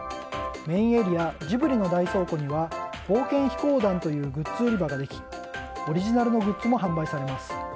メインエリアジブリの大倉庫には冒険飛行団というグッズ売り場ができオリジナルのグッズも販売されます。